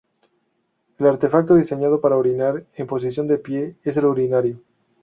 El artefacto diseñado para orinar en posición de pie es el urinario.